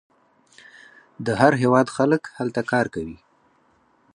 د هر هیواد خلک هلته کار کوي.